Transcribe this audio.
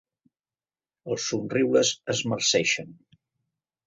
Els somriures es marceixen.